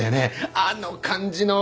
あの感じの悪い。